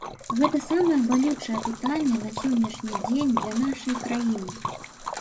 Гэта самае балючае пытанне на сённяшні дзень для нашай краіны.